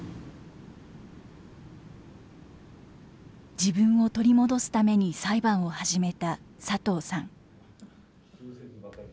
自分を取り戻すために裁判を始めた佐藤さん。